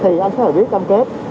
thì anh sẽ phải viết cam kết